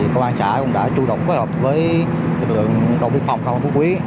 công an xã cũng đã tru động phối hợp với lực lượng đồng biên phòng phú quý